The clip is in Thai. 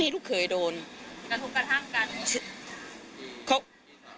นี่ลูกเคยโดนกระทุกกระทั่งกัน